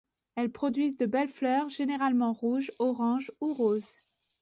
Elles produisent de belles fleurs généralement rouge, orange ou rose.